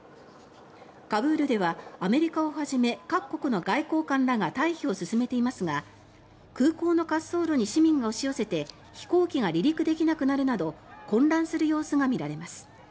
カブールではアメリカをはじめ各国の外交官らが退避を進めていますが空港の滑走路に市民が押し寄せて飛行機が離陸できなくなるなど混乱する様子が見られます。